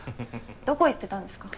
どこ行ってたんですか？